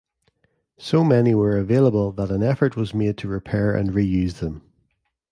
So many were available that an effort was made to repair and re-use them.